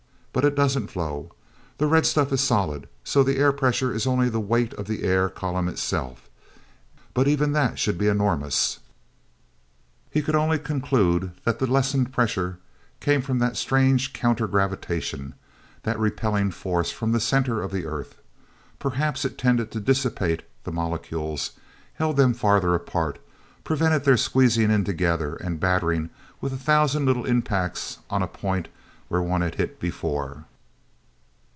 But it doesn't flow—that red stuff is solid; so the air pressure is only the weight of the air column itself. But even that should be enormous." He could only conclude that the lessened pressure came from that strange counter gravitation, the repelling force from the center of the earth. Perhaps it tended to dissipate the molecules, held them farther apart, prevented their squeezing in together, and battering with a thousand little impacts on a point where one had hit before.